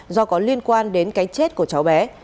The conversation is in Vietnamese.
do có liên quan đến cái chết của cháu bé